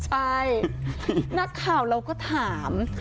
ใช่นักข่าวเราก็ถาม